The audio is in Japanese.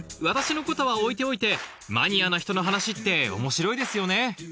私のことは置いておいてマニアな人の話って面白いですよね